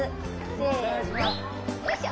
せのよいしょ！